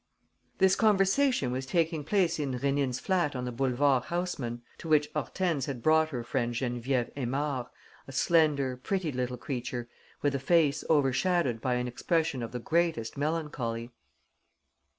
This conversation was taking place in Rénine's flat on the Boulevard Haussmann, to which Hortense had brought her friend Geneviève Aymard, a slender, pretty little creature with a face over shadowed by an expression of the greatest melancholy.